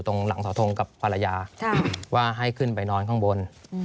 ตรงหลังเสาทงกับภรรยาว่าให้ขึ้นไปนอนข้างบน